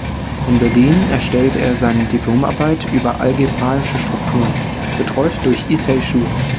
In Berlin erstellte er seine Diplomarbeit über algebraische Strukturen, betreut durch Issai Schur.